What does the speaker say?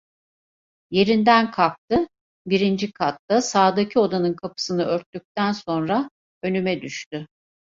Yerinden kalktı, birinci katta, sağdaki odanın kapısını örttükten sonra önüme düştü.